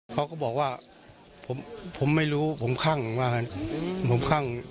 เขาก็บอกว่าผมผมไม่รู้ผมขั้งว่าผมขั้ง